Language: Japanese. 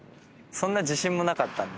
そんな自信もなかったんで。